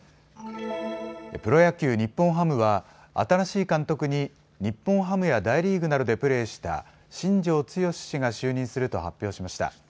プロ野球、日本ハムは新しい監督に日本ハムや大リーグなどでプレーした新庄剛志氏が就任すると発表しました。